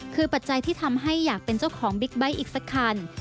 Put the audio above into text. คือปัจจัยที่ทำให้อยากเป็นเจ้าของบิ๊กไบท์อีกสักคัน